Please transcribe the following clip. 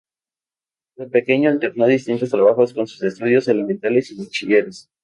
Desde pequeño, alternó distintos trabajos con sus estudios elementales y bachilleres.